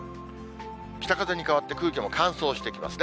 北風に変わって空気も乾燥してきますね。